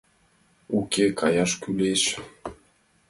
Уке, каяш кӱлеш.